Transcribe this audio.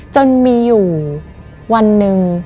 จนมีอยู่วันหนึ่ง